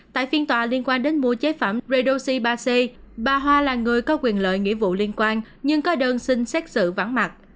tại phiên tòa liên quan đến mua chế phẩm redoxi ba c bà hoa là người có quyền lợi nghĩa vụ liên quan nhưng có đơn xin xét xử vắng mặt